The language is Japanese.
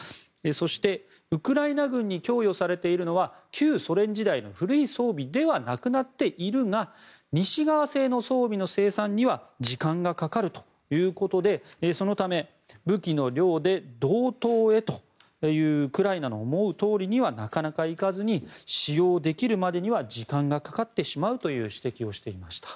そして、ウクライナ軍に供与されているのは旧ソ連時代の古い装備ではなくなっているが西側製の装備の生産には時間がかかるということでそのため武器の量で同等へというウクライナの思うとおりにはなかなかいかずに使用できるまでには時間がかかってしまうという指摘をしていました。